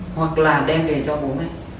hoặc là đem về cho bố mẹ